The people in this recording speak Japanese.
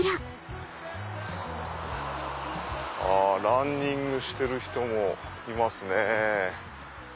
ランニングしてる人もいますね。